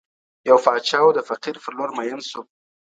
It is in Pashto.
یو پاچاوو د فقیر پر لور مین سو.